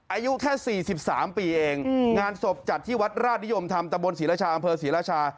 อายุแค่๔๓ปีเองงานศพจัดที่วัดราชนิยมธรรมตะบนศรีรชาอำเภอศรีราชา